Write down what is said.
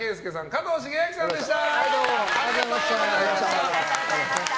加藤シゲアキさんでした。